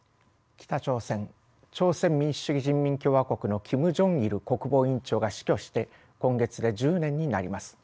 北朝鮮朝鮮民主主義人民共和国のキム・ジョンイル国防委員長が死去して今月で１０年になります。